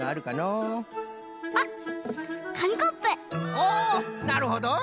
おおなるほど！